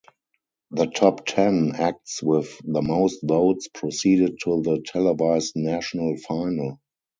The top ten acts with the most votes proceeded to the televised national final.